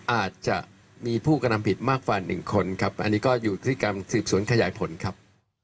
อาจจะมีผู้กระทำผิดมากกว่าหนึ่งคนครับอันนี้ก็อยู่ที่การสืบสวนขยายผลครับ